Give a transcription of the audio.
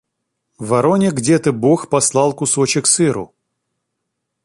Вороне где-то бог послал кусочек сыру;